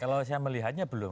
kalau saya melihatnya belum